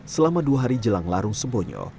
selama dua hari jelang larung sembonyo